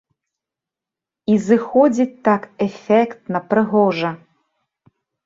І зыходзіць так эфектна, прыгожа.